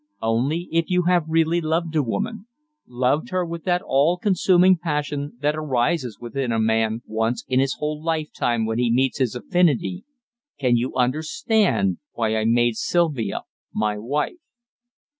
Only if you have really loved a woman loved her with that all consuming passion that arises within a man once in his whole lifetime when he meets his affinity, can you understand why I made Sylvia my wife.